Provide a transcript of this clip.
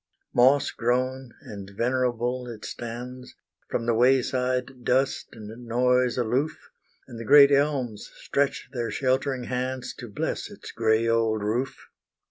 Moss grown, and venerable it stands, From the way side dust and noise aloof, And the great elms stretch their sheltering hands To bless its grey old roof.